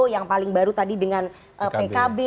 yang paling baru tadi dengan pkb